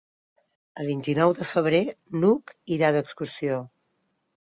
El vint-i-nou de febrer n'Hug irà d'excursió.